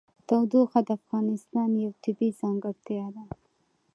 تودوخه د افغانستان یوه طبیعي ځانګړتیا ده.